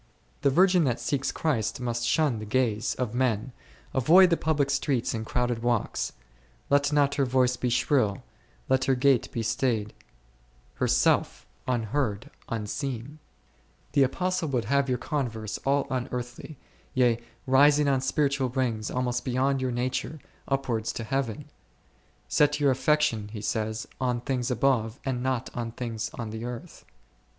The virgin that seeks Christ must shun the gaze of men, avoid the public streets and crowded walks ; let not her voice be shrill ; let her gait be staid, herself n Jer. ix. 21. Col. ii. 20, 21, &c. | 38 ©n ?^oIg Iflrghutg. unheard, unseen. The Apostle would have your con verse all unearthly, yea, rising on spiritual wings almost beyond your nature, upwards to Heaven ; Set your affection, he says, on things above, and not on things on the earth.